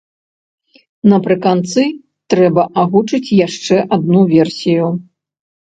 Напрыканцы трэба агучыць яшчэ адну версію.